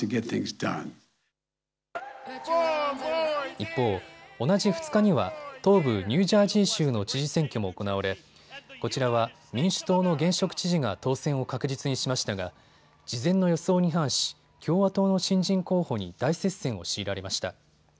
一方、同じ２日には東部ニュージャージー州の知事選挙も行われこちらは民主党の現職知事が当選を確実にしましたが事前の予想に反し共和党の新人候補に対し大接戦を強いられました。